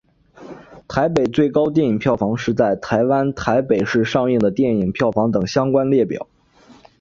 台北最高电影票房是在台湾台北市上映的电影票房等相关列表。